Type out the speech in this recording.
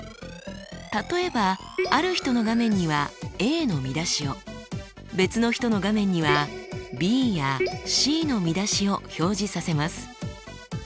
例えばある人の画面にはＡの見出しを別の人の画面にはＢやＣの見出しを表示させます。